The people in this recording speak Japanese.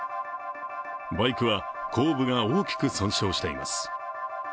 バイクは後部が大きく損傷しています。